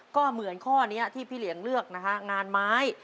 ก็เหมือนข้อนี้ที่พี่เหลียงเลือกนะฮะงานไม้